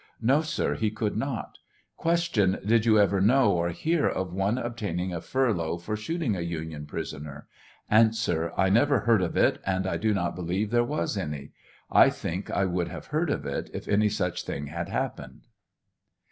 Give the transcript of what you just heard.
No, sir ; ho could not. Q. Did you ever know or hear of one obtaining a furlough for shooting a Union prisoner ? A. 1 never heard of it, and I do not believe there was any. »* I think I would have heard of it if any such thing had happened.